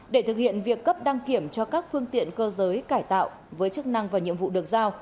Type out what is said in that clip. để thực hiện việc cấp đăng kiểm cho các phương tiện cơ giới cải tạo với chức năng và nhiệm vụ được giao